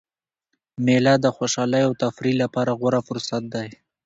مېله د خوشحالۍ او تفریح له پاره غوره فرصت دئ.